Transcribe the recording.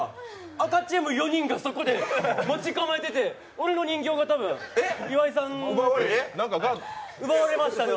赤チーム４人がそこで待ち構えていて俺の人形が多分、岩井さんに奪われました。